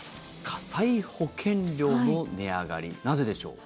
火災保険料の値上がりなぜでしょう。